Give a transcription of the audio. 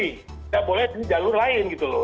tidak boleh di jalur lain gitu loh